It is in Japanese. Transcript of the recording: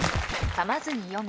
かまずに読め。